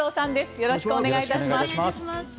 よろしくお願いします。